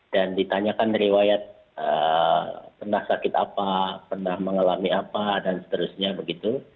dan ditanyakan riwayat pernah sakit apa pernah mengalami apa dan seterusnya begitu